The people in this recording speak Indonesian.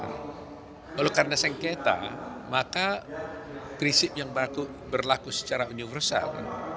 kalau karena sengketa maka prinsip yang berlaku secara universal